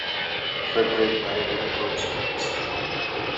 Frederick died in Rochlitz.